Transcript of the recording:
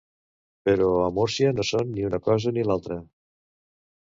Però a Múrcia no són ni una cosa ni l'altra.